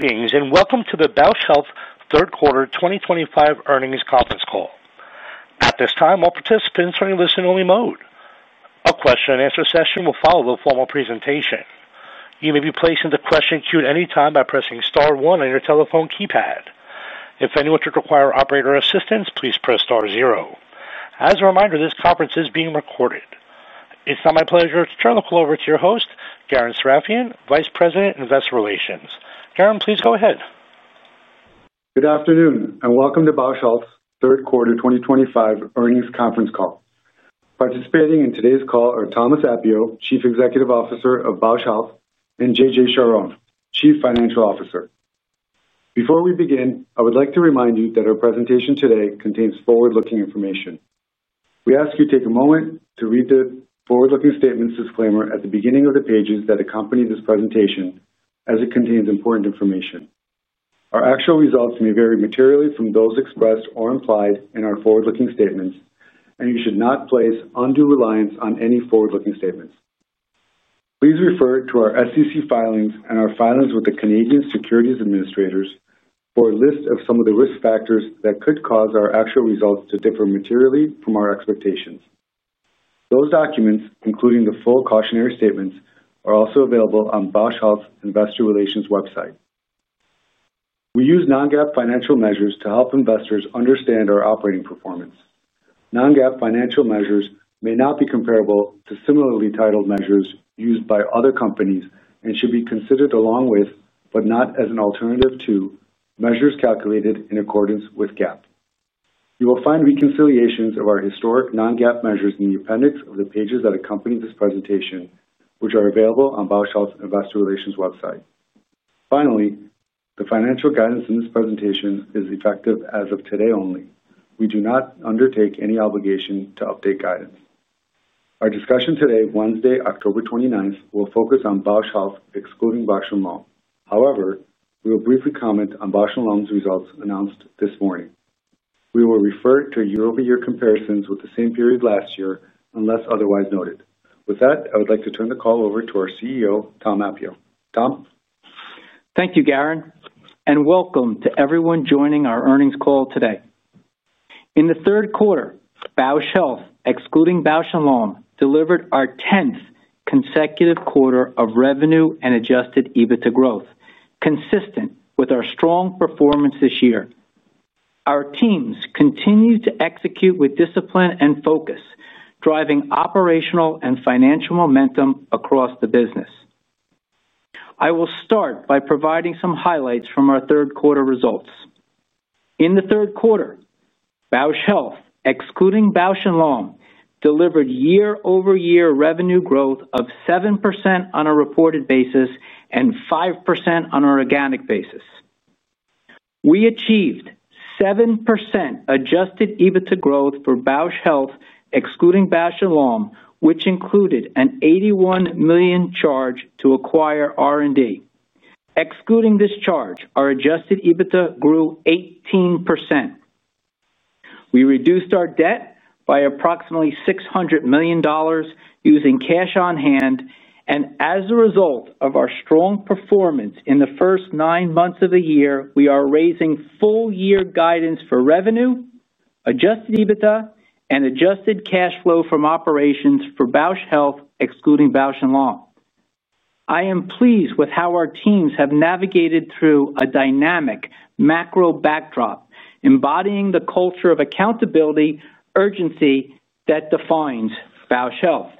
Greetings and welcome to the Bausch Health third quarter 2025 earnings conference call. At this time, all participants are in a listen-only mode. A question and answer session will follow the formal presentation. You may be placed into the question queue at any time by pressing star one on your telephone keypad. If anyone should require operator assistance, please press star zero. As a reminder, this conference is being recorded. It's now my pleasure to turn the call over to your host, Garen Sarafian, Vice President, Investor Relations. Garen, please go ahead. Good afternoon and welcome to Bausch Health's third quarter 2025 earnings conference call. Participating in today's call are Thomas Appio, Chief Executive Officer of Bausch Health, and JJ Charhon, Chief Financial Officer. Before we begin, I would like to remind you that our presentation today contains forward-looking information. We ask you to take a moment to read the forward-looking statements disclaimer at the beginning of the pages that accompany this presentation, as it contains important information. Our actual results may vary materially from those expressed or implied in our forward-looking statements, and you should not place undue reliance on any forward-looking statements. Please refer to our SEC filings and our filings with the Canadian Securities Administrators for a list of some of the risk factors that could cause our actual results to differ materially from our expectations. Those documents, including the full cautionary statements, are also available on Bausch Health's Investor Relations website. We use non-GAAP financial measures to help investors understand our operating performance. Non-GAAP financial measures may not be comparable to similarly titled measures used by other companies and should be considered along with, but not as an alternative to, measures calculated in accordance with GAAP. You will find reconciliations of our historic non-GAAP measures in the appendix of the pages that accompany this presentation, which are available on Bausch Health's Investor Relations website. Finally, the financial guidance in this presentation is effective as of today only. We do not undertake any obligation to update guidance. Our discussion today, Wednesday, October 29, will focus on Bausch Health excluding Bausch + Lomb. However, we will briefly comment on Bausch + Lomb's results announced this morning. We will refer to year-over-year comparisons with the same period last year unless otherwise noted. With that, I would like to turn the call over to our CEO, Tom Appio. Tom? Thank you, Garen, and welcome to everyone joining our earnings call today. In the third quarter, Bausch Health, excluding Bausch + Lomb, delivered our 10th consecutive quarter of revenue and adjusted EBITDA growth, consistent with our strong performance this year. Our teams continued to execute with discipline and focus, driving operational and financial momentum across the business. I will start by providing some highlights from our third quarter results. In the third quarter, Bausch Health, excluding Bausch + Lomb, delivered year-over-year revenue growth of 7% on a reported basis and 5% on an organic basis. We achieved 7% adjusted EBITDA growth for Bausch Health, excluding Bausch + Lomb, which included an $81 million in charge to require R&D. Excluding this charge, our adjusted EBITDA grew 18%. We reduced our debt by approximately $600 million using cash on hand, and as a result of our strong performance in the first nine months of the year, we are raising full-year guidance for revenue, adjusted EBITDA, and adjusted operating cash flow for Bausch Health, excluding Bausch + Lomb. I am pleased with how our teams have navigated through a dynamic macro backdrop, embodying the culture of accountability and urgency that defines Bausch Health.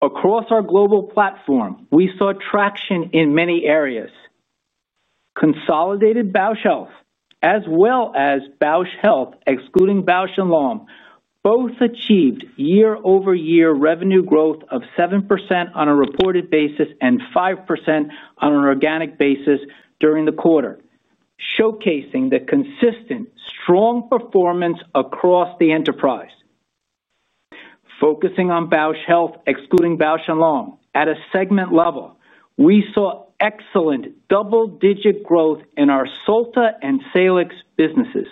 Across our global platform, we saw traction in many areas. Consolidated Bausch Health, as well as Bausch Health, excluding Bausch + Lomb, both achieved year-over-year revenue growth of 7% on a reported basis and 5% on an organic basis during the quarter, showcasing the consistent strong performance across the enterprise. Focusing on Bausch Health, excluding Bausch + Lomb, at a segment level, we saw excellent double-digit growth in our Solta and Salix businesses.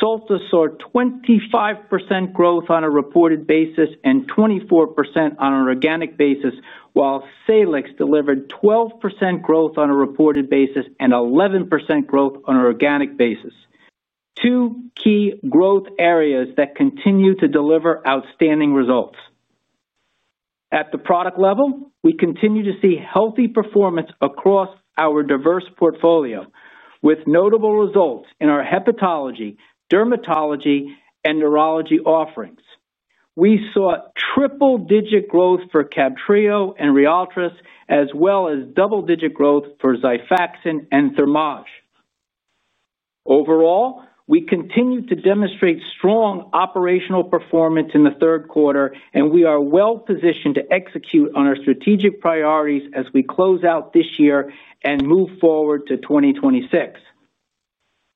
Solta saw 25% growth on a reported basis and 24% on an organic basis, while Salix delivered 12% growth on a reported basis and 11% growth on an organic basis. Two key growth areas that continue to deliver outstanding results. At the product level, we continue to see healthy performance across our diverse portfolio, with notable results in our hepatology, dermatology, and neurology offerings. We saw triple-digit growth for CABTREO and RYALTRIS, as well as double-digit growth for XIFAXAN and Thermage. Overall, we continue to demonstrate strong operational performance in the third quarter, and we are well-positioned to execute on our strategic priorities as we close out this year and move forward to 2026.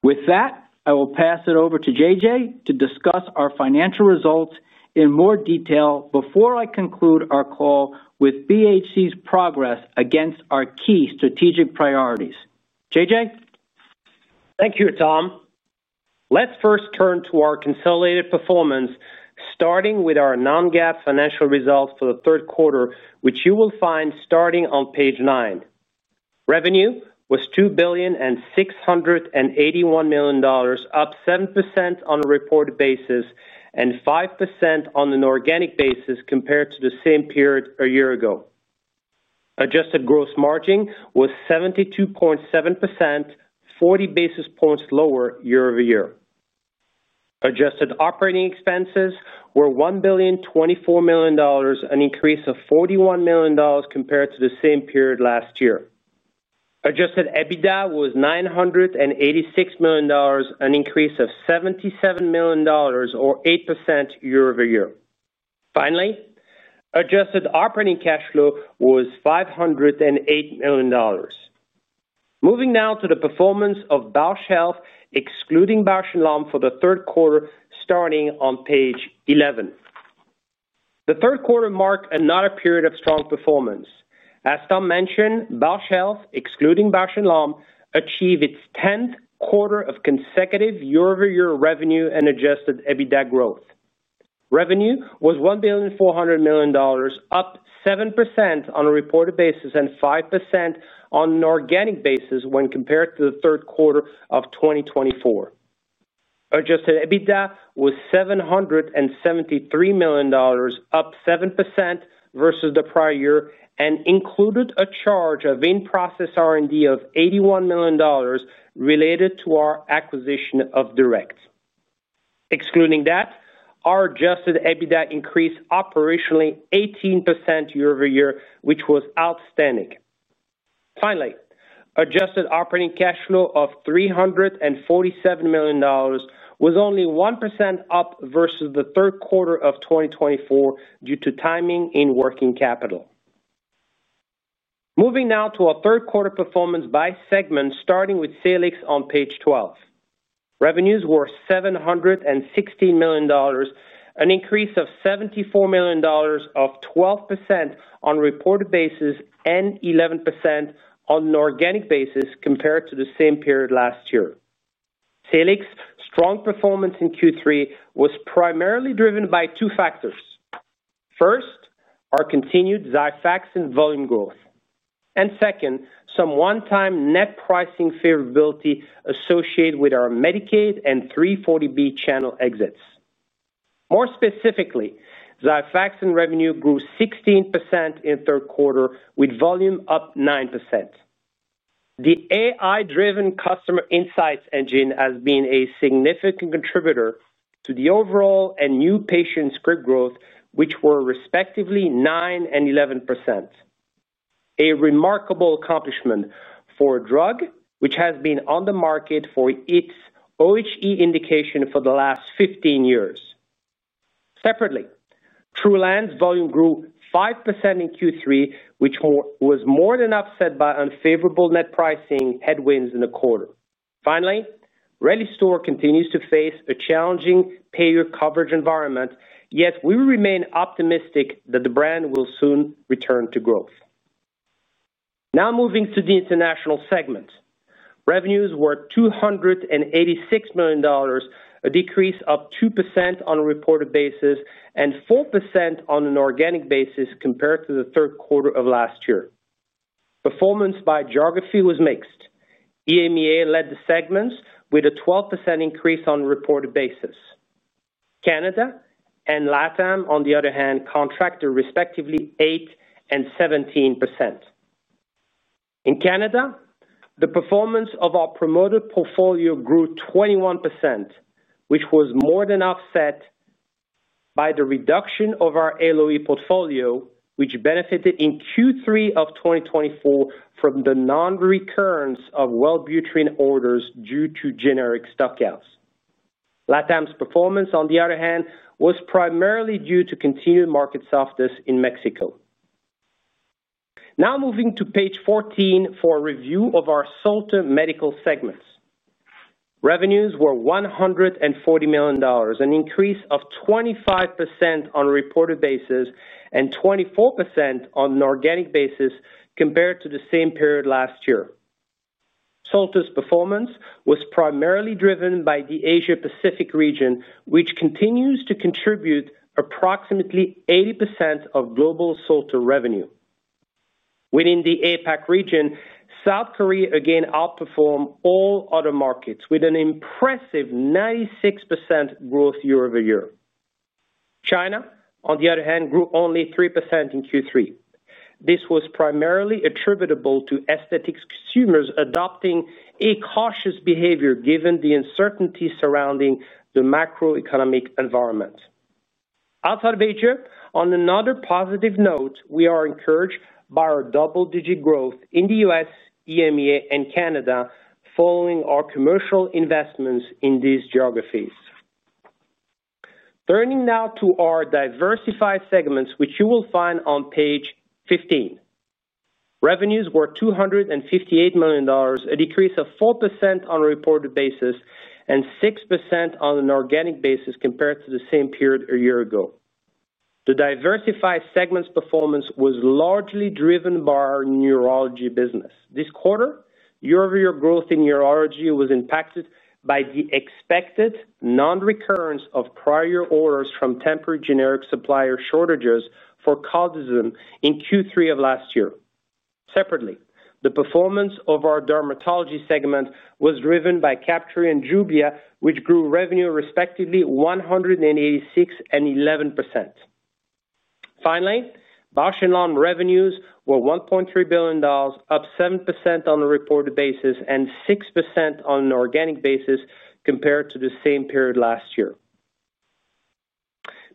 With that, I will pass it over to JJ to discuss our financial results in more detail before I conclude our call with BHC's progress against our key strategic priorities. JJ? Thank you, Tom. Let's first turn to our consolidated performance, starting with our non-GAAP financial results for the third quarter, which you will find starting on page nine. Revenue was $2.681 billion, up 7% on a reported basis and 5% on an organic basis compared to the same period a year ago. Adjusted gross margin was 72.7%, 40 basis points lower year-over-year. Adjusted operating expenses were $1.024 billion, an increase of $41 million compared to the same period last year. Adjusted EBITDA was $986 million, an increase of $77 million or 8% year-over-year. Finally, adjusted operating cash flow was $508 million. Moving now to the performance of Bausch Health, excluding Bausch + Lomb for the third quarter, starting on page 11. The third quarter marked another period of strong performance. As Tom mentioned, Bausch Health, excluding Bausch + Lomb, achieved its 10th quarter of consecutive year-over-year revenue and adjusted EBITDA growth. Revenue was $1.4 billion, up 7% on a reported basis and 5% on an organic basis when compared to the third quarter of 2024. Adjusted EBITDA was $773 million, up 7% versus the prior year and included a charge of in-process R&D of $81 million related to our acquisition of DURECT Corporation. Excluding that, our adjusted EBITDA increased operationally 18% year-over-year, which was outstanding. Finally, adjusted operating cash flow of $347 million was only 1% up versus the third quarter of 2024 due to timing in working capital. Moving now to our third quarter performance by segment, starting with Salix on page 12. Revenues were $716 million, an increase of $74 million, up 12% on a reported basis and 11% on an organic basis compared to the same period last year. Salix's strong performance in Q3 was primarily driven by two factors. First, our continued XIFAXAN volume growth, and second, some one-time net pricing favorability associated with our Medicaid and 340B channel exits. More specifically, XIFAXAN revenue grew 16% in the third quarter, with volume up 9%. The AI-driven customer insights engine has been a significant contributor to the overall and new patient script growth, which were respectively 9% and 11%. A remarkable accomplishment for a drug which has been on the market for its OHE indication for the last 15 years. Separately, Trulance's volume grew 5% in Q3, which was more than offset by unfavorable net pricing headwinds in the quarter. Finally, RELISTOR continues to face a challenging payer coverage environment, yet we remain optimistic that the brand will soon return to growth. Now moving to the international segment, revenues were $286 million, a decrease of 2% on a reported basis and 4% on an organic basis compared to the third quarter of last year. Performance by geography was mixed. EMEA led the segment with a 12% increase on a reported basis. Canada and LatAm, on the other hand, contracted respectively 8% and 17%. In Canada, the performance of our promoter portfolio grew 21%, which was more than offset by the reduction of our ALOE portfolio, which benefited in Q3 2024 from the non-recurrence of WELLBUTRIN orders due to generic stock outs. LatAm's performance, on the other hand, was primarily due to continued market softness in Mexico. Now moving to page 14 for a review of our Solta Medical segment. Revenues were $140 million, an increase of 25% on a reported basis and 24% on an organic basis compared to the same period last year. Solta's performance was primarily driven by the Asia-Pacific region, which continues to contribute approximately 80% of global Solta revenue. Within the APAC region, South Korea again outperformed all other markets with an impressive 96% growth year-over-year. China, on the other hand, grew only 3% in Q3. This was primarily attributable to aesthetics consumers adopting a cautious behavior given the uncertainty surrounding the macro-economic environment. Outside of Asia, on another positive note, we are encouraged by our double-digit growth in the U.S., EMEA, and Canada following our commercial investments in these geographies. Turning now to our diversified segment, which you will find on page 15. Revenues were $258 million, a decrease of 4% on a reported basis and 6% on an organic basis compared to the same period a year ago. The diversified segment's performance was largely driven by our neurology business. This quarter, year-over-year growth in neurology was impacted by the expected non-recurrence of prior orders from temporary generic supplier shortages for CARDIZEM in Q3 of last year. Separately, the performance of our dermatology segment was driven by CABTREO and JUBLIA, which grew revenue respectively 186% and 11%. Finally, Bausch + Lomb revenues were $1.3 billion, up 7% on a reported basis and 6% on an organic basis compared to the same period last year.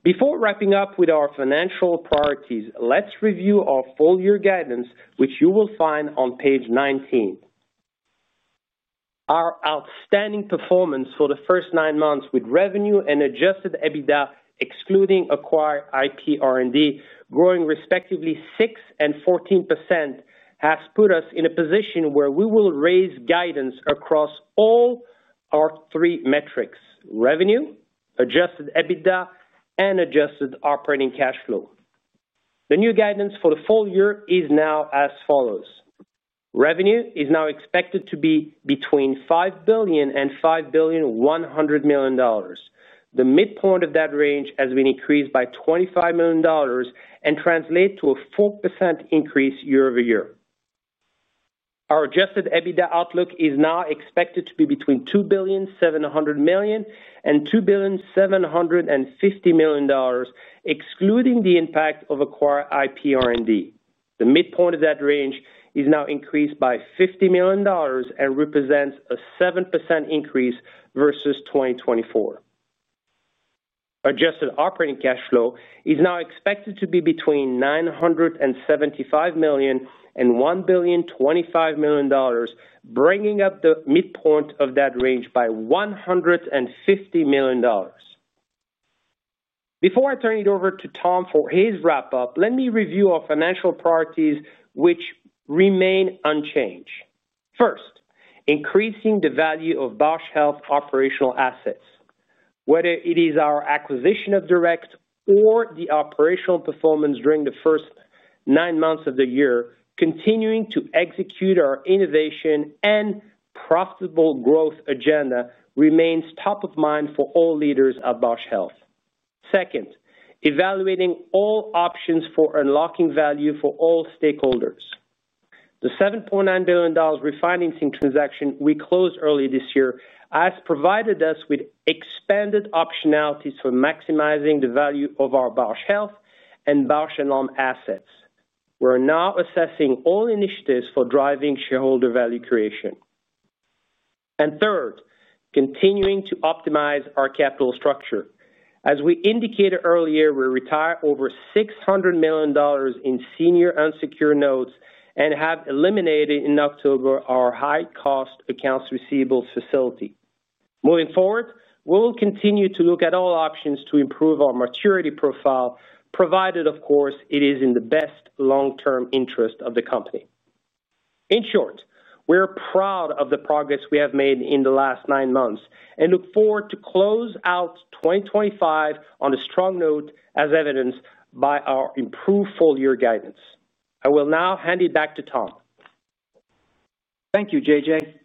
Before wrapping up with our financial priorities, let's review our full-year guidance, which you will find on page 19. Our outstanding performance for the first nine months with revenue and adjusted EBITDA, excluding acquired IP R&D, growing respectively 6% and 14%, has put us in a position where we will raise guidance across all our three metrics: revenue, adjusted EBITDA, and adjusted operating cash flow. The new guidance for the full year is now as follows: revenue is now expected to be between $5 billion and $5.1 billion. The midpoint of that range has been increased by $25 million and translates to a 4% increase year-over-year. Our adjusted EBITDA outlook is now expected to be between $2.7 billion and $2.75 billion, excluding the impact of acquired IP R&D. The midpoint of that range is now increased by $50 million and represents a 7% increase versus 2024. Adjusted operating cash flow is now expected to be between $975 million and $1.025 billion, bringing up the midpoint of that range by $150 million. Before I turn it over to Tom for his wrap-up, let me review our financial priorities, which remain unchanged. First, increasing the value of Bausch Health operational assets. Whether it is our acquisition of DURECT or the operational performance during the first nine months of the year, continuing to execute our innovation and profitable growth agenda remains top of mind for all leaders at Bausch Health. Second, evaluating all options for unlocking value for all stakeholders. The $7.9 billion refinancing transaction we closed early this year has provided us with expanded optionalities for maximizing the value of our Bausch Health and Bausch + Lomb assets. We're now assessing all initiatives for driving shareholder value creation. Third, continuing to optimize our capital structure. As we indicated earlier, we retired over $600 million in senior unsecured notes and have eliminated in October our high-cost accounts receivables facility. Moving forward, we will continue to look at all options to improve our maturity profile, provided, of course, it is in the best long-term interest of the company. In short, we're proud of the progress we have made in the last nine months and look forward to close out 2025 on a strong note, as evidenced by our improved full-year guidance. I will now hand it back to Tom. Thank you, JJ.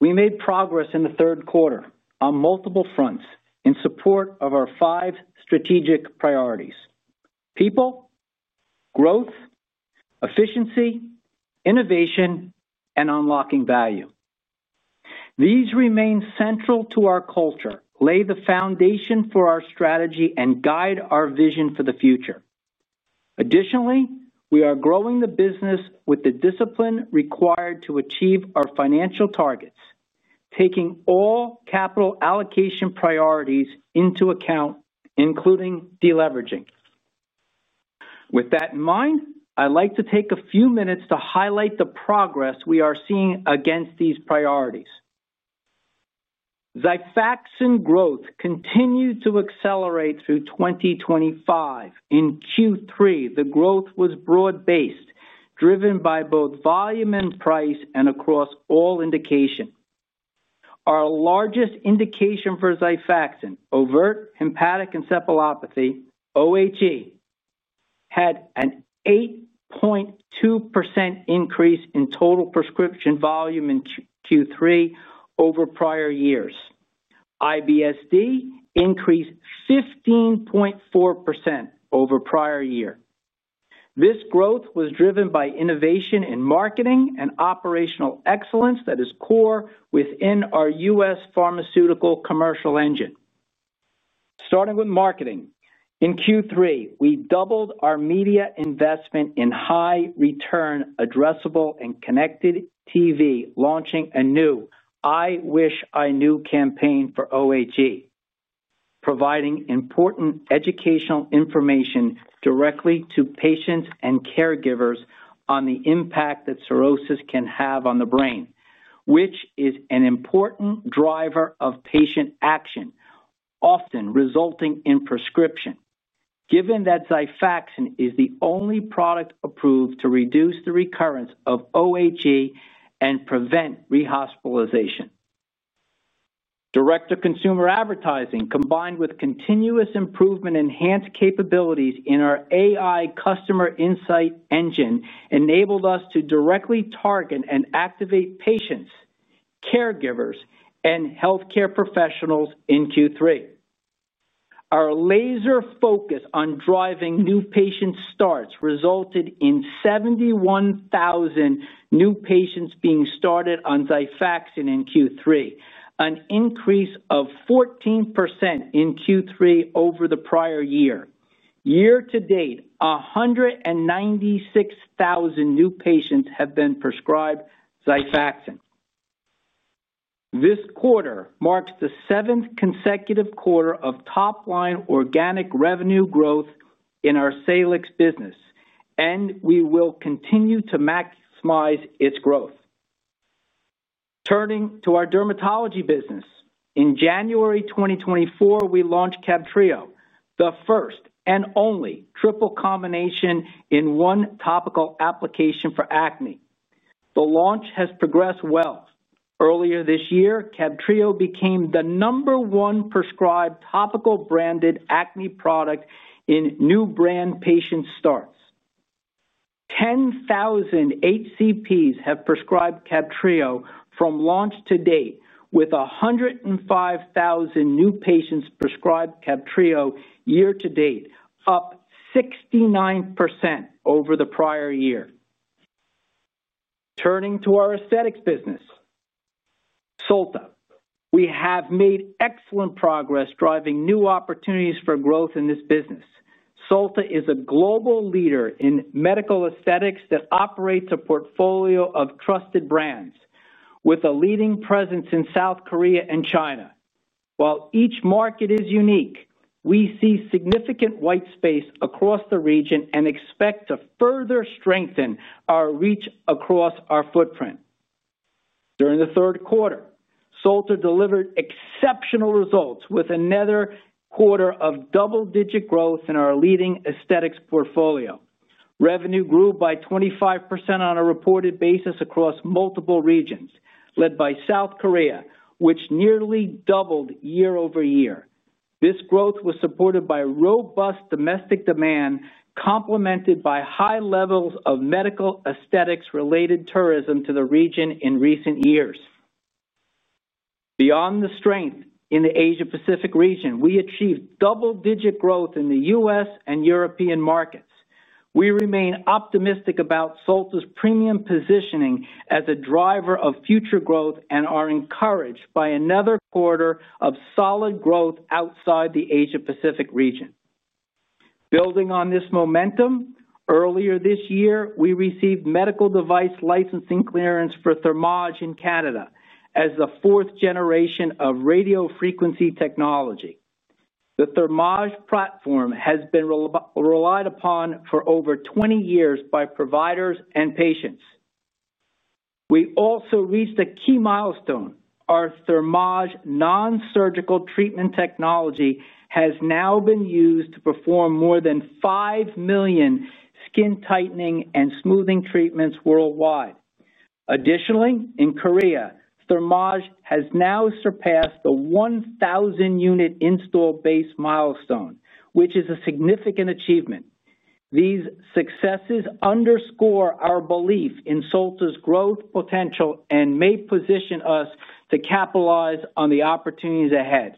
We made progress in the third quarter on multiple fronts in support of our five strategic priorities: people, growth, efficiency, innovation, and unlocking value. These remain central to our culture, lay the foundation for our strategy, and guide our vision for the future. Additionally, we are growing the business with the discipline required to achieve our financial targets, taking all capital allocation priorities into account, including deleveraging. With that in mind, I'd like to take a few minutes to highlight the progress we are seeing against these priorities. XIFAXAN growth continued to accelerate through 2025. In Q3, the growth was broad-based, driven by both volume and price and across all indications. Our largest indication for XIFAXAN, overt hepatic encephalopathy (OHE), had an 8.2% increase in total prescription volume in Q3 over prior years. IBS-D increased 15.4% over prior year. This growth was driven by innovation in marketing and operational excellence that is core within our U.S. pharmaceutical commercial engine. Starting with marketing, in Q3, we doubled our media investment in high-return, addressable, and connected TV, launching a new "I Wish I Knew" campaign for OHE, providing important educational information directly to patients and caregivers on the impact that cirrhosis can have on the brain, which is an important driver of patient action, often resulting in prescription, given that XIFAXAN is the only product approved to reduce the recurrence of OHE and prevent rehospitalization. Direct-to-consumer advertising, combined with continuous improvement in enhanced capabilities in our AI customer insight engine, enabled us to directly target and activate patients, caregivers, and healthcare professionals in Q3. Our laser focus on driving new patient starts resulted in 71,000 new patients being started on XIFAXAN in Q3, an increase of 14% in Q3 over the prior year. Year to date, 196,000 new patients have been prescribed XIFAXAN. This quarter marks the seventh consecutive quarter of top-line organic revenue growth in our Salix business, and we will continue to maximize its growth. Turning to our dermatology business, in January 2024, we launched CABTREO, the first and only triple combination in one topical application for acne. The launch has progressed well. Earlier this year, CABTREO became the number one prescribed topical branded acne product in new brand patient starts. 10,000 HCPs have prescribed CABTREO from launch to date, with 105,000 new patients prescribed CABTREO year to date, up 69% over the prior year. Turning to our aesthetics business, Solta, we have made excellent progress driving new opportunities for growth in this business. Solta is a global leader in medical aesthetics that operates a portfolio of trusted brands, with a leading presence in South Korea and China. While each market is unique, we see significant white space across the region and expect to further strengthen our reach across our footprint. During the third quarter, Solta delivered exceptional results with another quarter of double-digit growth in our leading aesthetics portfolio. Revenue grew by 25% on a reported basis across multiple regions, led by South Korea, which nearly doubled year-over-year. This growth was supported by robust domestic demand, complemented by high levels of medical aesthetics-related tourism to the region in recent years. Beyond the strength in the Asia-Pacific region, we achieved double-digit growth in the U.S. and European markets. We remain optimistic about Solta's premium positioning as a driver of future growth and are encouraged by another quarter of solid growth outside the Asia-Pacific region. Building on this momentum, earlier this year, we received medical device licensing clearance for Thermage in Canada as the fourth generation of radio frequency technology. The Thermage platform has been relied upon for over 20 years by providers and patients. We also reached a key milestone: our Thermage non-surgical treatment technology has now been used to perform more than 5 million skin tightening and smoothing treatments worldwide. Additionally, in South Korea, Thermage has now surpassed the 1,000-unit install base milestone, which is a significant achievement. These successes underscore our belief in Solta's growth potential and may position us to capitalize on the opportunities ahead.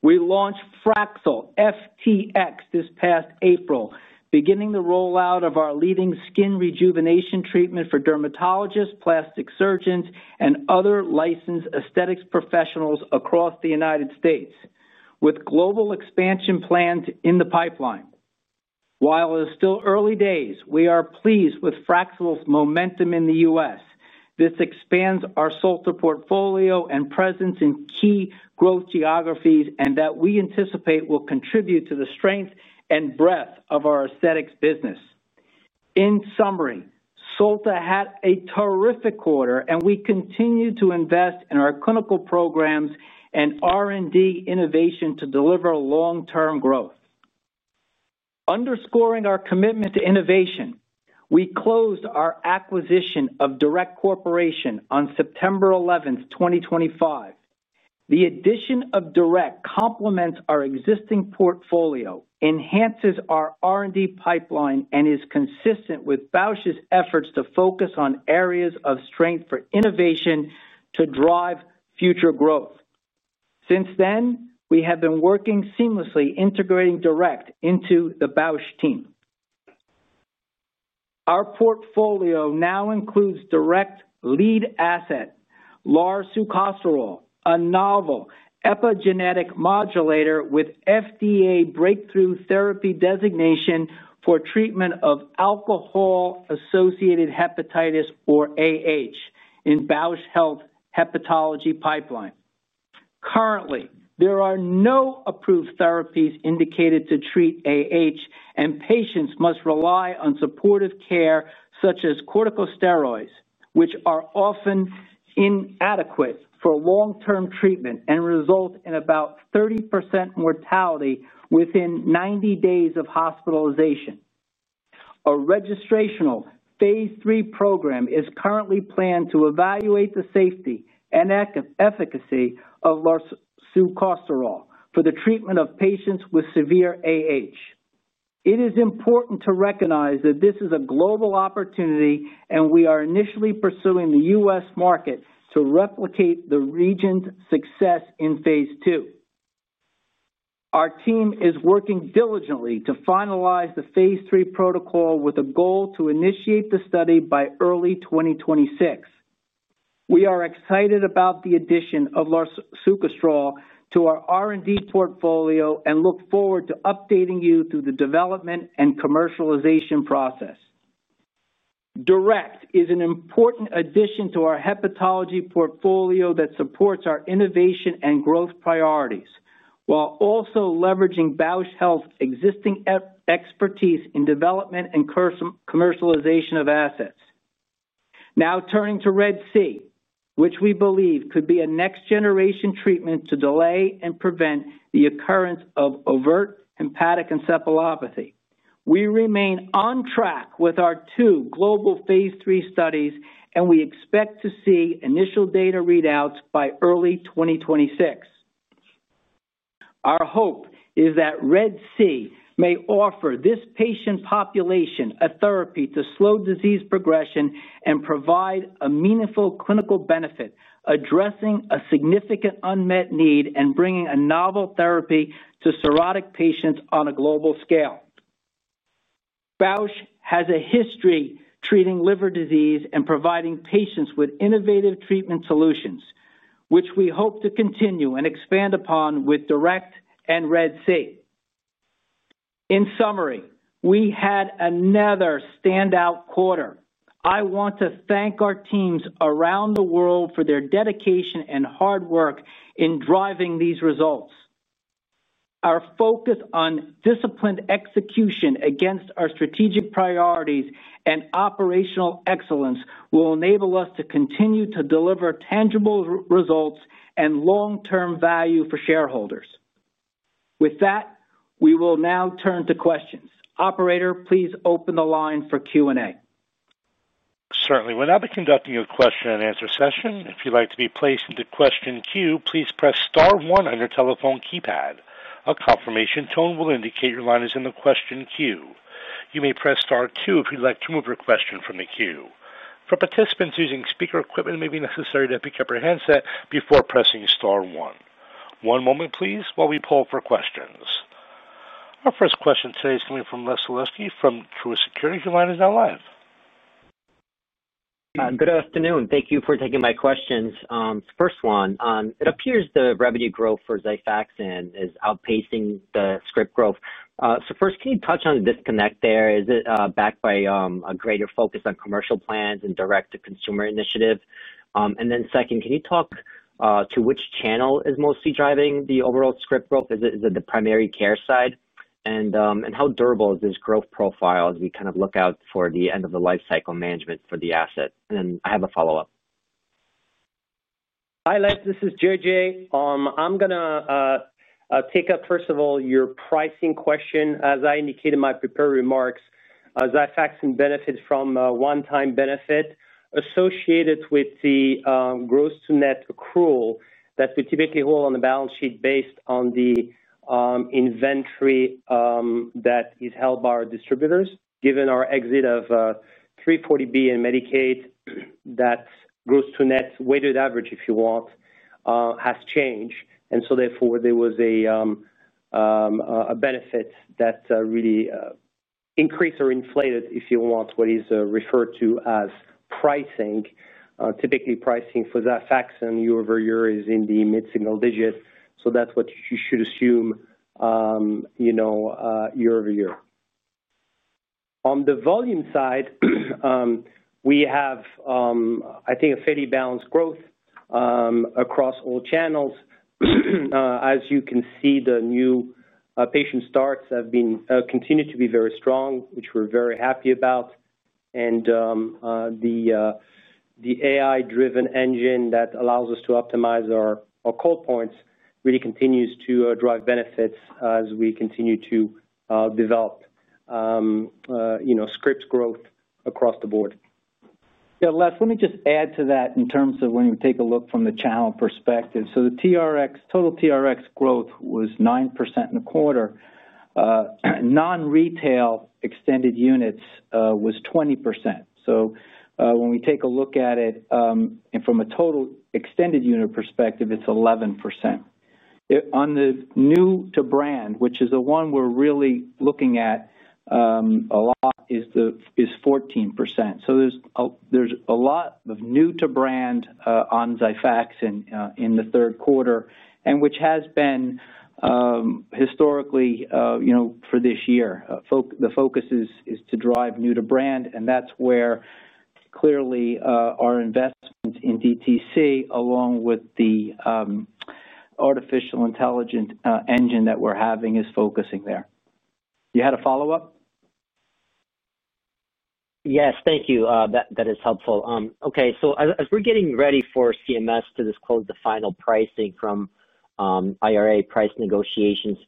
We launched Fraxel FTX this past April, beginning the rollout of our leading skin rejuvenation treatment for dermatologists, plastic surgeons, and other licensed aesthetics professionals across the United States, with global expansion plans in the pipeline. While it is still early days, we are pleased with Fraxel's momentum in the U.S. This expands our Solta portfolio and presence in key growth geographies and that we anticipate will contribute to the strength and breadth of our aesthetics business. In summary, Solta Medical had a terrific quarter, and we continue to invest in our clinical programs and R&D innovation to deliver long-term growth. Underscoring our commitment to innovation, we closed our acquisition of DURECT Corporation on September 11, 2025. The addition of DURECT complements our existing portfolio, enhances our R&D pipeline, and is consistent with Bausch's efforts to focus on areas of strength for innovation to drive future growth. Since then, we have been working seamlessly, integrating DURECT into the Bausch team. Our portfolio now includes DURECT's lead asset, larsucosterol, a novel epigenetic modulator with FDA breakthrough therapy designation for treatment of alcohol-associated hepatitis or AH, in the Bausch Health hepatology pipeline. Currently, there are no approved therapies indicated to treat AH, and patients must rely on supportive care, such as corticosteroids, which are often inadequate for long-term treatment and result in about 30% mortality within 90 days of hospitalization. A registrational phase III program is currently planned to evaluate the safety and efficacy of larsucosterol for the treatment of patients with severe disease AH. It is important to recognize that this is a global opportunity, and we are initially pursuing the U.S. market to replicate the region's success in phase II. Our team is working diligently to finalize the phase III protocol with a goal to initiate the study by early 2026. We are excited about the addition of larsucosterol to our R&D portfolio and look forward to updating you through the development and commercialization process. DURECT is an important addition to our hepatology portfolio that supports our innovation and growth priorities, while also leveraging Bausch Health's existing expertise in development and commercialization of assets. Now turning to RED-C, which we believe could be a next-generation treatment to delay and prevent the occurrence of overt hepatic encephalopathy. We remain on track with our two global phase III studies, and we expect to see initial data readouts by early 2026. Our hope is that RED-C may offer this patient population a therapy to slow disease progression and provide a meaningful clinical benefit, addressing a significant unmet need and bringing a novel therapy to cirrhotic patients on a global scale. Bausch has a history of treating liver disease and providing patients with innovative treatment solutions, which we hope to continue and expand upon with DURECT and RED-C. In summary, we had another standout quarter. I want to thank our teams around the world for their dedication and hard work in driving these results. Our focus on disciplined execution against our strategic priorities and operational excellence will enable us to continue to deliver tangible results and long-term value for shareholders. With that, we will now turn to questions. Operator, please open the line for Q&A. Certainly. We're now conducting a question and answer session. If you'd like to be placed into the question queue, please press star one on your telephone keypad. A confirmation tone will indicate your line is in the question queue. You may press star two if you'd like to remove your question from the queue. For participants using speaker equipment, it may be necessary to pick up your headset before pressing star one. One moment, please, while we pull for questions. Our first question today is coming from Les Sulewski from Truist Securities. Your line is now live. Good afternoon. Thank you for taking my questions. First one, it appears the revenue growth for XIFAXAN is outpacing the script growth. Can you touch on the disconnect there? Is it backed by a greater focus on commercial plans and direct-to-consumer initiative? Can you talk to which channel is mostly driving the overall script growth? Is it the primary care side? How durable is this growth profile as we kind of look out for the end-of-the-life cycle management for the asset? I have a follow-up. Hi, Les. This is JJ. I'm going to take up, first of all, your pricing question. As I indicated in my prepared remarks, XIFAXAN benefits from a one-time benefit associated with the gross-to-net accrual that we typically hold on the balance sheet based on the inventory that is held by our distributors. Given our exit of 340B and Medicaid, that gross-to-net weighted average, if you want, has changed. Therefore, there was a benefit that really increased or inflated, if you want, what is referred to as pricing. Typically, pricing for XIFAXAN year-over-year is in the mid-single digits, so that's what you should assume, you know, year-over-year. On the volume side, we have, I think, a fairly balanced growth across all channels. As you can see, the new patient starts have continued to be very strong, which we're very happy about. The AI-driven engine that allows us to optimize our call points really continues to drive benefits as we continue to develop script growth across the board. Yeah, Les, let me just add to that in terms of when you take a look from the channel perspective. The total TRX growth was 9% in the quarter. Non-retail extended units was 20%. When we take a look at it from a total extended unit perspective, it's 11%. On the new-to-brand, which is the one we're really looking at a lot, is 14%. There's a lot of new-to-brand on XIFAXAN in the third quarter, which has been historically for this year. The focus is to drive new-to-brand, and that's where clearly our investments in DTC, along with the artificial intelligence engine that we're having, is focusing there. You had a follow-up? Yes, thank you. That is helpful. As we're getting ready for CMS to disclose the final pricing from IRA price negotiations,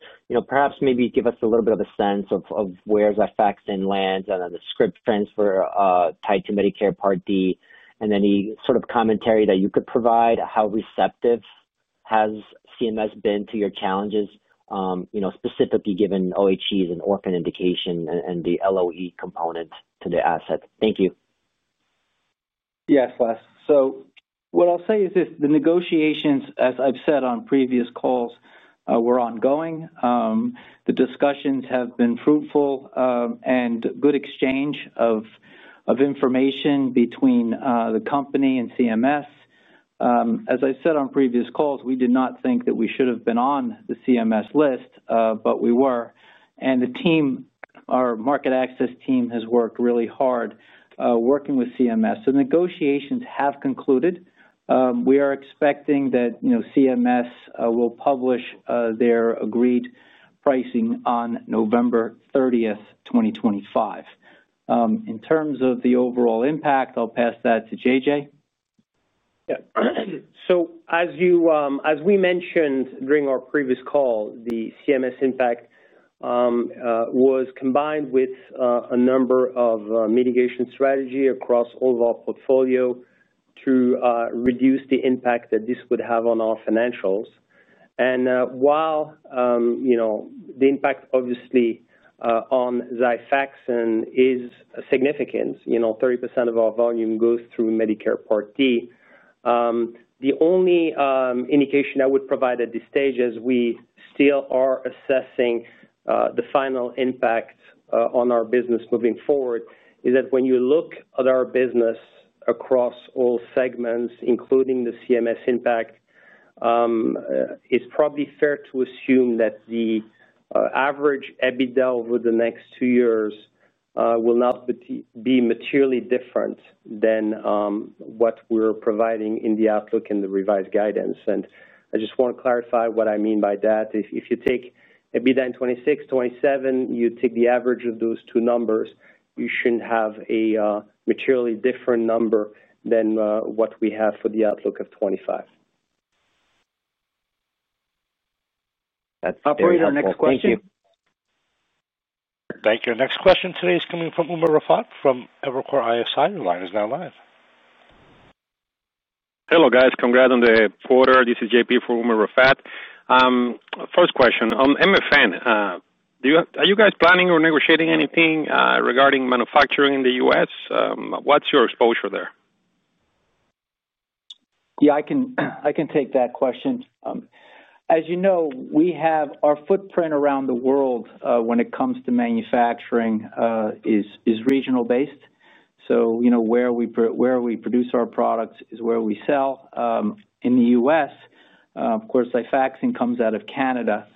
perhaps give us a little bit of a sense of where XIFAXAN lands and then the script transfer tied to Medicare Part D and any sort of commentary that you could provide. How receptive has CMS been to your challenges, specifically given OHE's an orphan indication and the LOE component to the asset? Thank you. Yes, Les. What I'll say is this. The negotiations, as I've said on previous calls, were ongoing. The discussions have been fruitful and good exchange of information between the company and CMS. As I've said on previous calls, we did not think that we should have been on the CMS list, but we were. The team, our market access team, has worked really hard working with CMS. Negotiations have concluded. We are expecting that CMS will publish their agreed pricing on November 30th, 2025. In terms of the overall impact, I'll pass that to JJ. As we mentioned during our previous call, the CMS impact was combined with a number of mitigation strategies across all of our portfolio to reduce the impact that this would have on our financials. While the impact obviously on XIFAXAN is significant, 30% of our volume goes through Medicare Part D. The only indication I would provide at this stage as we still are assessing the final impact on our business moving forward is that when you look at our business across all segments, including the CMS impact, it's probably fair to assume that the average EBITDA over the next two years will not be materially different than what we're providing in the outlook and the revised guidance. I just want to clarify what I mean by that. If you take EBITDA in 2026 and 2027, you take the average of those two numbers, you shouldn't have a materially different number than what we have for the outlook of 2025. That's correct. Operator, next question. Thank you. Thank you. Our next question today is coming from Umer Raffat from Evercore ISI. The line is now live. Hello, guys. Congrats on the quarter. This is JP for Umer Raffat. First question, on MFN, are you guys planning or negotiating anything regarding manufacturing in the U.S.? What's your exposure there? I can take that question. As you know, our footprint around the world when it comes to manufacturing is regional-based. Where we produce our products is where we sell. In the U.S., of course, XIFAXAN comes out of Canada.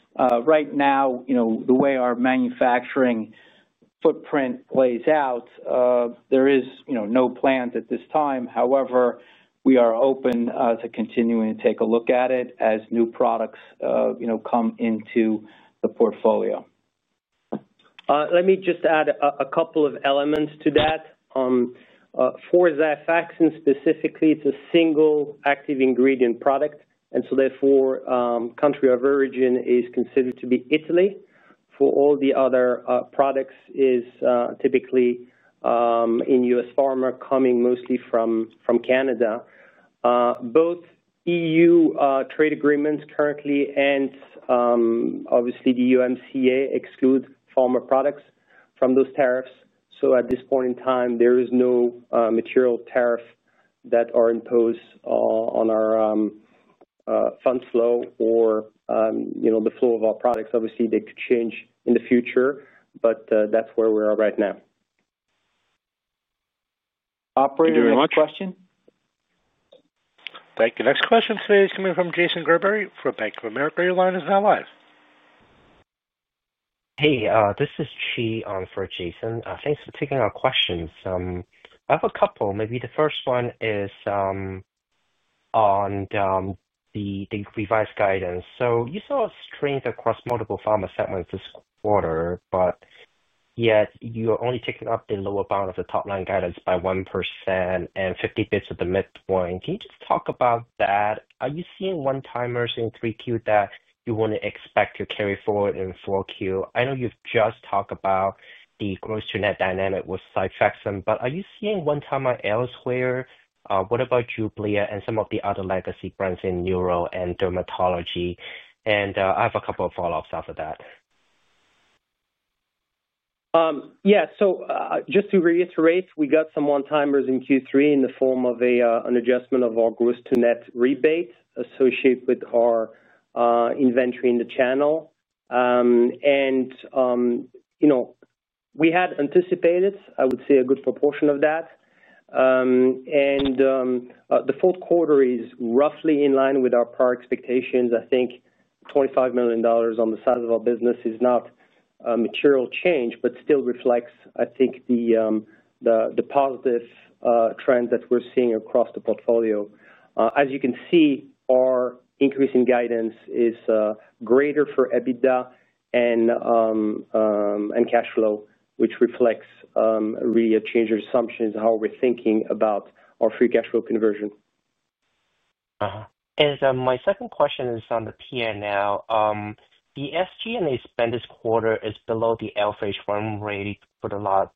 Right now, the way our manufacturing footprint plays out, there is no plant at this time. However, we are open to continuing to take a look at it as new products come into the portfolio. Let me just add a couple of elements to that. For XIFAXAN specifically, it's a single active ingredient product, and therefore, the country of origin is considered to be Italy. For all the other products, it's typically in U.S. pharma, coming mostly from Canada. Both EU trade agreements currently and obviously the USMCA exclude pharma products from those tariffs. At this point in time, there is no material tariff that is imposed on our fund flow or the flow of our products. Obviously, they could change in the future, but that's where we are right now. Operator, next question? Thank you. Next question today is coming from Jason Gerberry from Bank of America. Your line is now live. Hey, this is Chi for Jason. Thanks for taking our questions. I have a couple. Maybe the first one is on the revised guidance. You saw strength across multiple pharma segments this quarter, yet you are only taking up the lower bound of the top-line guidance by 1% and 50 bps of the midpoint. Can you just talk about that? Are you seeing one-timers in 3Q that you wouldn't expect to carry forward in 4Q? I know you've just talked about the gross-to-net dynamic with XIFAXAN, but are you seeing one-timers elsewhere? What about JUBLIA and some of the other legacy brands in neuro and dermatology? I have a couple of follow-ups after that. Yeah. Just to reiterate, we got some one-timers in Q3 in the form of an adjustment of our gross-to-net rebate associated with our inventory in the channel. We had anticipated, I would say, a good proportion of that. The fourth quarter is roughly in line with our prior expectations. I think $25 million on the side of our business is not a material change, but still reflects, I think, the positive trends that we're seeing across the portfolio. As you can see, our increase in guidance is greater for EBITDA and cash flow, which reflects really a change in assumptions of how we're thinking about our free cash flow conversion. My second question is on the P&L. The SG&A spend this quarter is below the average run rate for the last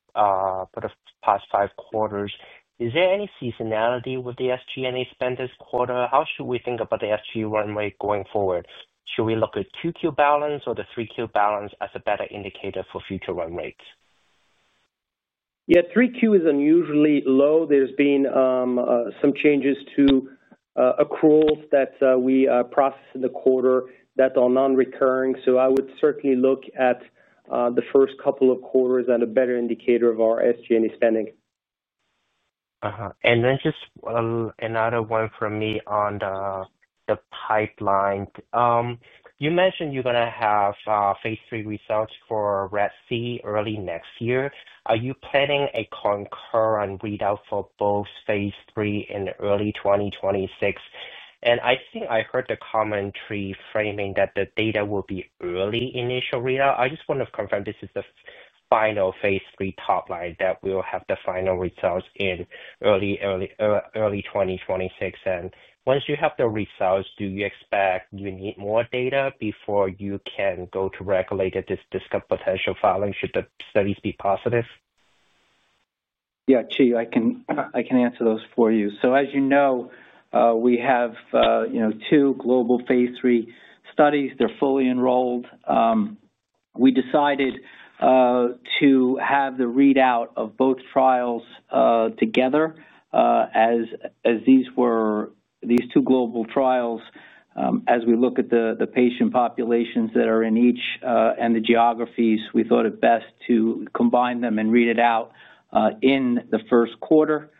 five quarters. Is there any seasonality with the SG&A spend this quarter? How should we think about the SG&A run rate going forward? Should we look at the 2Q balance or the 3Q balance as a better indicator for future run rates? Yeah, 3Q is unusually low. There have been some changes to accruals that we process in the quarter that are non-recurring. I would certainly look at the first couple of quarters as a better indicator of our SG&A spending. Just another one from me on the pipeline. You mentioned you're going to have phase III results for RED-C early next year. Are you planning a concurrent readout for both phase III and early 2026? I think I heard the commentary framing that the data will be early initial readout. I just want to confirm this is the final phase III top line, that we'll have the final results in early 2026. Once you have the results, do you expect you need more data before you can go to regulators to discuss potential filing should the studies be positive? Yeah, I can answer those for you. As you know, we have two global phase III studies. They're fully enrolled. We decided to have the readout of both trials together as these were these two global trials. As we look at the patient populations that are in each and the geographies, we thought it best to combine them and read it out in the first quarter.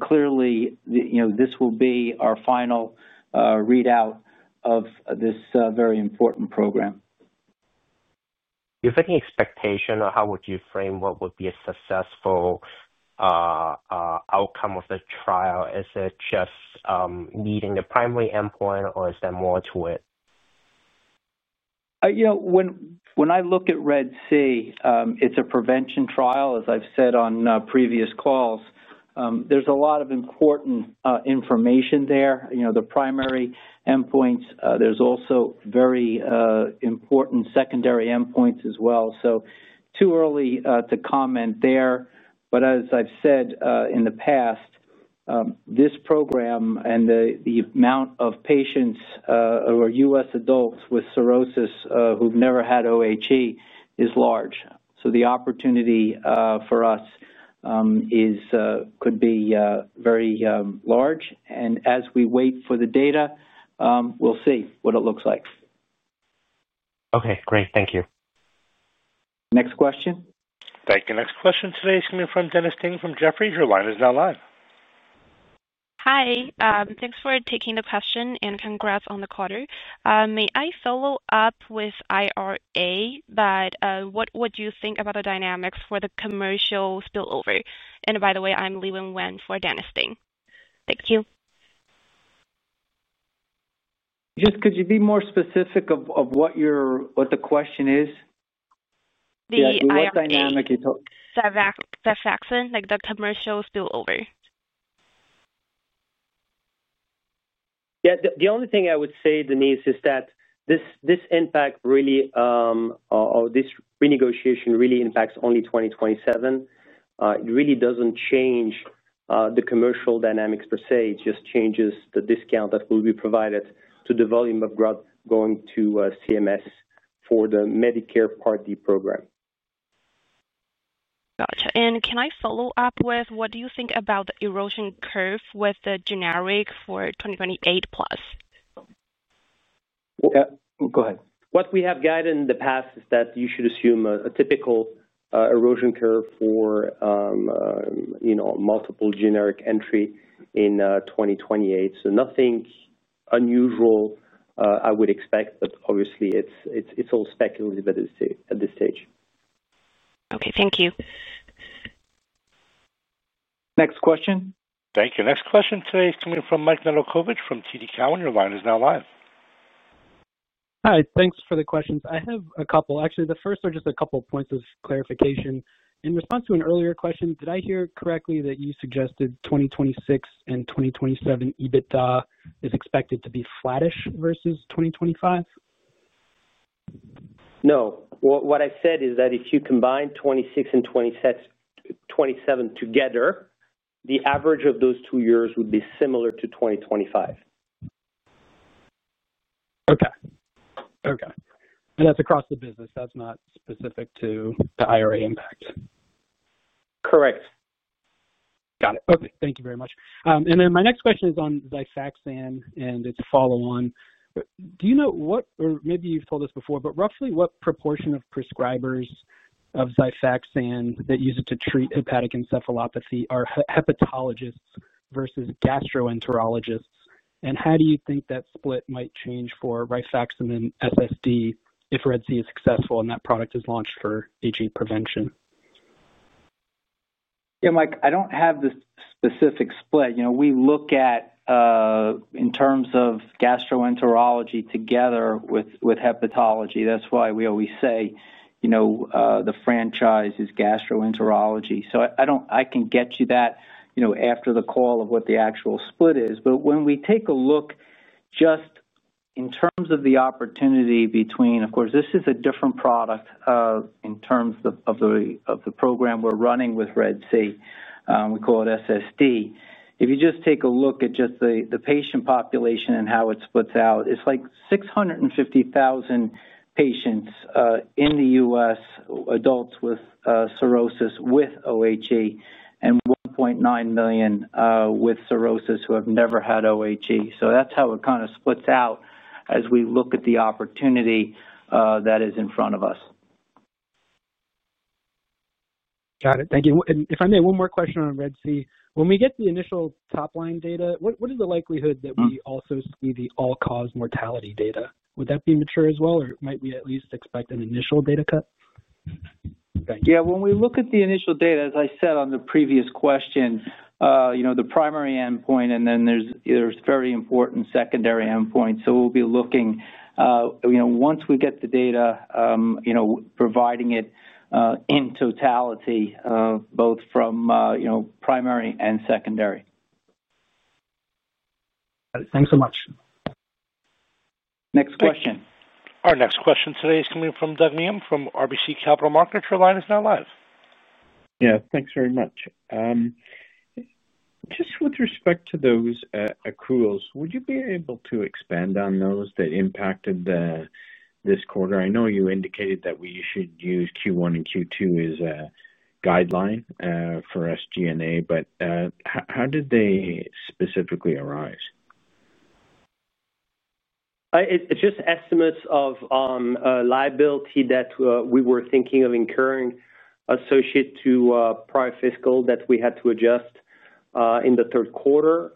Clearly, this will be our final readout of this very important program. Do you have any expectation on how you would frame what would be a successful outcome of the trial? Is it just meeting the primary endpoint, or is there more to it? You know, when I look at RED-C, it's a prevention trial. As I've said on previous calls, there's a lot of important information there, the primary endpoints. There's also very important secondary endpoints as well. It's too early to comment there. As I've said in the past, this program and the amount of patients who are U.S. adults with cirrhosis who've never had OHE is large. The opportunity for us could be very large. As we wait for the data, we'll see what it looks like. Okay, great. Thank you. Next question? Thank you. Next question today is coming from Dennis Ting from Jefferies. Your line is now live. Hi. Thanks for taking the question and congrats on the quarter. May I follow up with the IRA, what would you think about the dynamics for the commercial spillover? By the way, I'm Liwen Wang for Dennis Ting. Thank you. Could you be more specific of what the question is? What dynamic is it? The XIFAXAN, like the commercial spillover. Okay. Yeah, the only thing I would say, Denise, is that this impact really, or this renegotiation really impacts only 2027. It really doesn't change the commercial dynamics per se. It just changes the discount that will be provided to the volume of growth going to CMS for the Medicare Part D program. Gotcha. Can I follow up with what do you think about the erosion curve with the generic for 2028 plus? Go ahead. What we have guided in the past is that you should assume a typical erosion curve for multiple generic entry in 2028. Nothing unusual I would expect, but obviously, it's all speculative at this stage. Okay, thank you. Next question? Thank you. Next question today is coming from Mike Nedelcovych from TD Cowen. Your line is now live. Hi, thanks for the questions. I have a couple. Actually, the first are just a couple of points of clarification. In response to an earlier question, did I hear correctly that you suggested 2026 and 2027 EBITDA is expected to be flattish versus 2025? No. What I said is that if you combine 2026 and 2027 together, the average of those two years would be similar to 2025. Okay. That's across the business. That's not specific to the IRA impact. Correct. Got it. Okay. Thank you very much. My next question is on XIFAXAN and its follow-on. Do you know what, or maybe you've told us before, but roughly what proportion of prescribers of XIFAXAN that use it to treat hepatic encephalopathy are hepatologists versus gastroenterologists? How do you think that split might change for rifaximin SSD if RED-C is successful and that product is launched for AG prevention? Yeah, Mike, I don't have the specific split. You know, we look at in terms of gastroenterology together with hepatology. That's why we always say, you know, the franchise is gastroenterology. I don't, I can get you that, you know, after the call of what the actual split is. When we take a look just in terms of the opportunity between, of course, this is a different product in terms of the program we're running with RED-C. We call it SSD. If you just take a look at just the patient population and how it splits out, it's like 650,000 patients in the U.S., adults with cirrhosis with OHE, and 1.9 million with cirrhosis who have never had OHE. That's how it kind of splits out as we look at the opportunity that is in front of us. Got it. Thank you. If I may, one more question on RED-C. When we get the initial top-line data, what is the likelihood that we also see the all-cause mortality data? Would that be mature as well, or might we at least expect an initial data cut? Yeah, when we look at the initial data, as I said on the previous question, the primary endpoint, and then there's very important secondary endpoints. We'll be looking, once we get the data, at providing it in totality, both from primary and secondary. Thanks so much. Next question. Our next question today is coming from Doug Miehm from RBC Capital Markets. Your line is now live. Yeah, thanks very much. Just with respect to those accruals, would you be able to expand on those that impacted this quarter? I know you indicated that we should use Q1 and Q2 as a guideline for SG&A, but how did they specifically arise? It's just estimates of liability that we were thinking of incurring associated to prior fiscal that we had to adjust in the third quarter.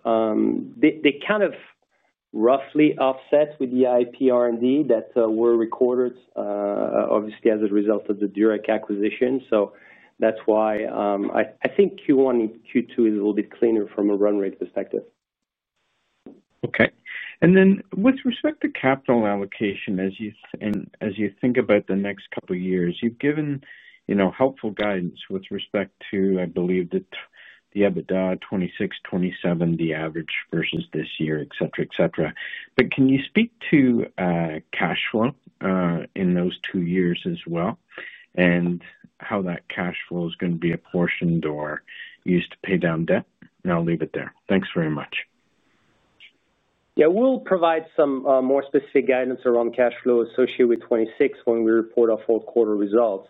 They kind of roughly offset with the in-process R&D that were recorded, obviously, as a result of the DURECT acquisition. That's why I think Q1 and Q2 is a little bit cleaner from a run rate perspective. Okay. With respect to capital allocation, as you think about the next couple of years, you've given helpful guidance with respect to, I believe, the EBITDA 2026, 2027, the average versus this year, etc., etc. Can you speak to cash flow in those two years as well and how that cash flow is going to be apportioned or used to pay down debt? I'll leave it there. Thanks very much. Yeah, we'll provide some more specific guidance around cash flow associated with 2026 when we report our fourth quarter results.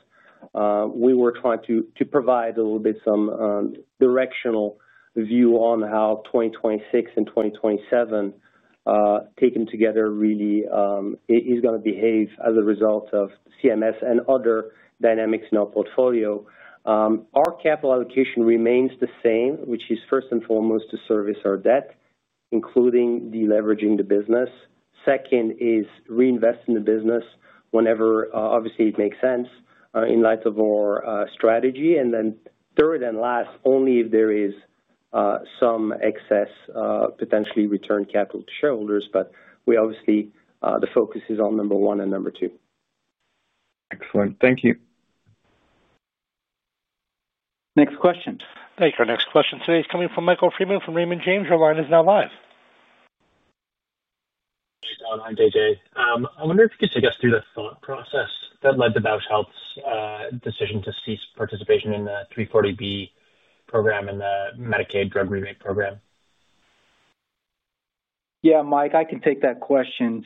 We were trying to provide a little bit of some directional view on how 2026 and 2027, taken together, really is going to behave as a result of CMS and other dynamics in our portfolio. Our capital allocation remains the same, which is first and foremost to service our debt, including deleveraging the business. Second is reinvest in the business whenever, obviously, it makes sense in light of our strategy. Third and last, only if there is some excess, potentially return capital to shareholders. We obviously, the focus is on number one and number two. Excellent. Thank you. Thank you. Our next question today is coming from Michael Freeman from Raymond James. Your line is now live. Hey, Tom and JJ. I wonder if you could take us through the thought process that led to Bausch Health's decision to cease participation in the 340B program and the Medicaid drug rebate program. Yeah, Mike, I can take that question.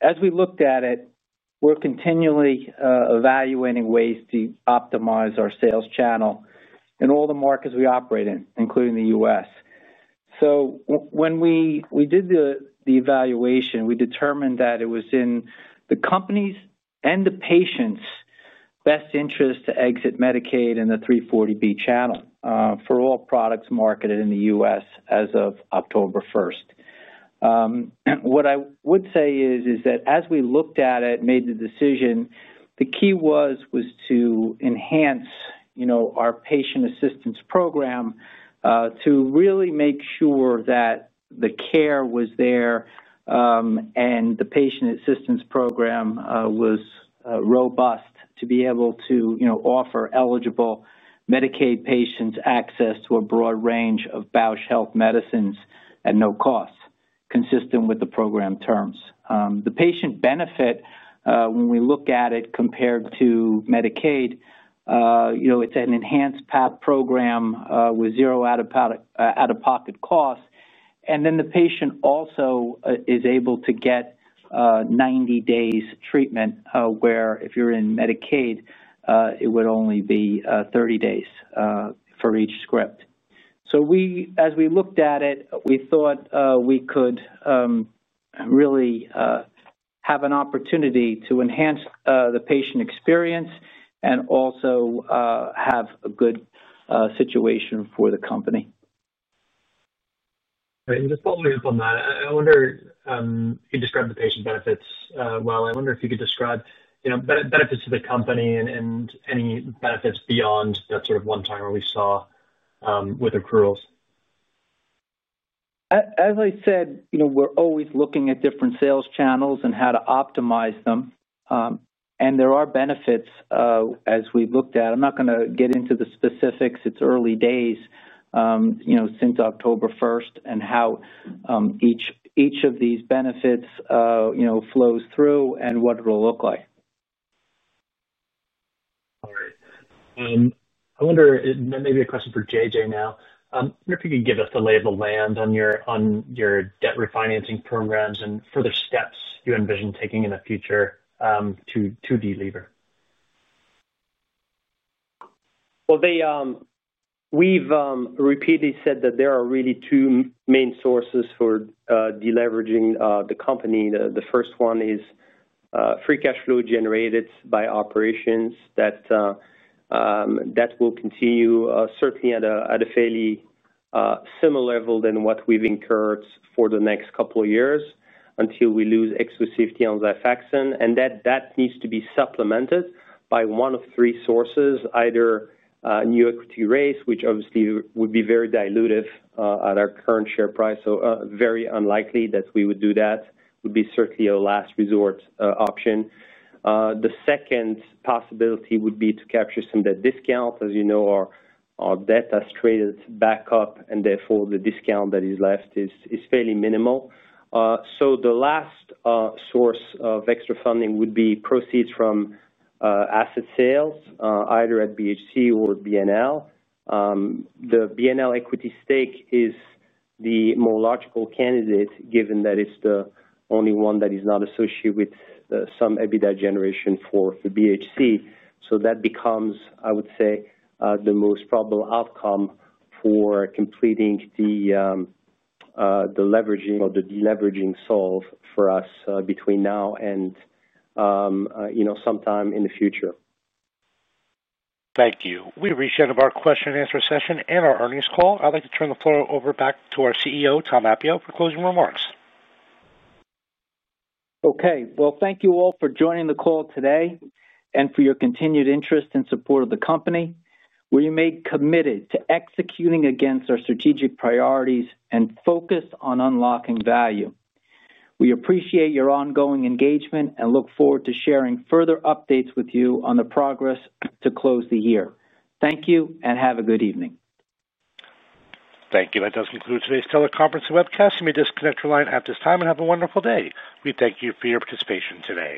As we looked at it, we're continually evaluating ways to optimize our sales channel in all the markets we operate in, including the U.S. When we did the evaluation, we determined that it was in the company's and the patient's best interest to exit Medicaid in the 340B channel for all products marketed in the U.S. as of October 1st. What I would say is that as we looked at it and made the decision, the key was to enhance our patient assistance program to really make sure that the care was there and the patient assistance program was robust to be able to offer eligible Medicaid patients access to a broad range of Bausch medicines at no cost, consistent with the program terms. The patient benefit, when we look at it compared to Medicaid, it's an enhanced PAP program with zero out-of-pocket costs. The patient also is able to get 90 days treatment, where if you're in Medicaid, it would only be 30 days for each script. As we looked at it, we thought we could really have an opportunity to enhance the patient experience and also have a good situation for the company. Just following up on that, I wonder, you described the patient benefits well. I wonder if you could describe benefits to the company and any benefits beyond that sort of one-timer we saw with accruals. As I said, we're always looking at different sales channels and how to optimize them. There are benefits as we looked at. I'm not going to get into the specifics. It's early days since October 1st and how each of these benefits flows through and what it will look like. All right. I wonder maybe a question for JJ now. I wonder if you could give us a lay of the land on your debt refinancing programs and further steps you envision taking in the future to deliver. There are really two main sources for deleveraging the company. The first one is free cash flow generated by operations that will continue certainly at a fairly similar level than what we've incurred for the next couple of years until we lose exclusivity on XIFAXAN. That needs to be supplemented by one of three sources, either new equity raised, which obviously would be very dilutive at our current share price. Very unlikely that we would do that. It would be certainly a last resort option. The second possibility would be to capture some debt discount. As you know, our debt has traded back up, and therefore the discount that is left is fairly minimal. The last source of extra funding would be proceeds from asset sales, either at BHC or B&L. The B&L equity stake is the more logical candidate given that it's the only one that is not associated with some EBITDA generation for BHC. That becomes, I would say, the most probable outcome for completing the leveraging or the deleveraging solve for us between now and sometime in the future. Thank you. We reached the end of our question and answer session and our earnings call. I'd like to turn the floor over back to our CEO, Tom Appio, for closing remarks. Thank you all for joining the call today and for your continued interest and support of the company. We remain committed to executing against our strategic priorities and focus on unlocking value. We appreciate your ongoing engagement and look forward to sharing further updates with you on the progress to close the year. Thank you and have a good evening. Thank you. That does conclude today's teleconference webcast. You may disconnect your line at this time and have a wonderful day. We thank you for your participation today.